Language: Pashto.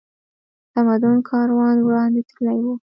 تمدن کاروان وړاندې تللی و